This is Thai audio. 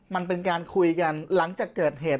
มันเป็นการคุยกันหลังจากเกิดเหตุ